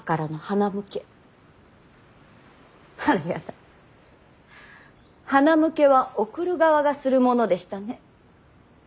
はなむけは送る側がするものでしたね。